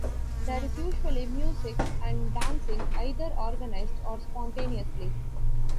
There is usually music and dancing, either organized or spontaneously.